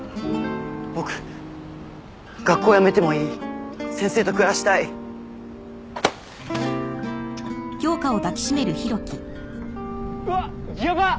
僕学校辞めてもいい先生と暮らしたい・うわヤバッ！